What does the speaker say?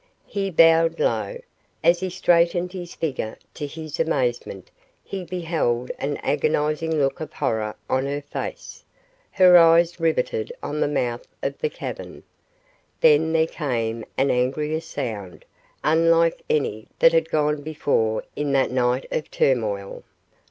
He bowed low. As he straightened his figure, to his amazement, he beheld an agonizing look of horror on her face; her eyes riveted on the mouth of the cavern. Then, there came an angrier sound, unlike any that had gone before in that night of turmoil.